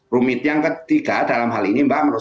rumit yang ketiga dalam hal ini mbak menurut